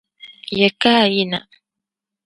Ya ka a yina?